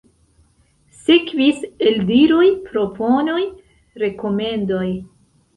Sekvis eldiroj, proponoj, rekomendoj.